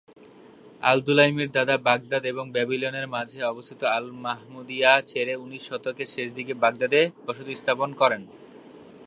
আল-দুলাইমির দাদা বাগদাদ এবং ব্যাবিলনের মাঝে অবস্থিত আল-মাহমুদিয়া ছেড়ে উনিশ শতকের শেষদিকে বাগদাদে বসতি স্থাপন করেন।